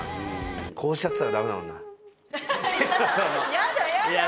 こうしちゃってたらダメだもんなやだやだやだ